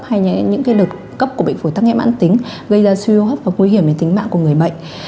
hay những cái đợt cấp của bệnh phổi tăng nghệ mãn tính gây ra triệu hấp và nguy hiểm về tính mạng của người bệnh